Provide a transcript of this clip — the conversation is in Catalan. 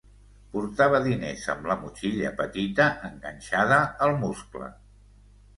Portava diners amb la motxilla petita enganxada al muscle.